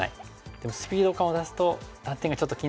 でもスピード感を出すと断点がちょっと気になる。